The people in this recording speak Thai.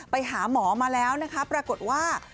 ไปหาหมอมาแล้วนะคะปรากฏว่า